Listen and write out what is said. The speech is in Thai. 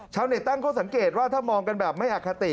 ชาวเน็ตตั้งข้อสังเกตว่าถ้ามองกันแบบไม่อคติ